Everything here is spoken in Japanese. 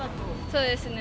そうですね。